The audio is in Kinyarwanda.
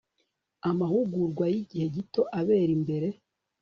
amahugurwa y'igihe gito abera imbere